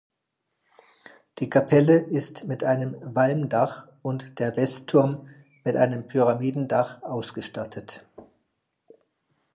Die Kapelle ist mit einem Walmdach und der Westturm mit einem Pyramidendach ausgestattet.